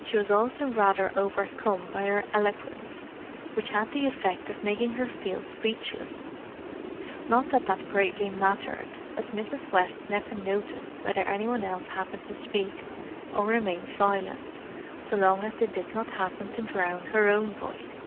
She was also rather overcome by her eloquence, which had the effect of making her feel speechless. Not that that greatly mattered, as Mrs. West never noticed whether any one else happened to speak or remain silent, so long as they did not happen to drown her own voice.